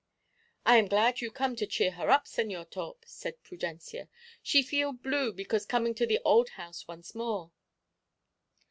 "I am glad you come to cheer her up, Señor Torp," said Prudencia. "She feel blue because coming to the old house once more."